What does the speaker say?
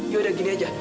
yaudah gini aja